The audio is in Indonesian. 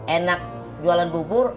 enak jualan bubur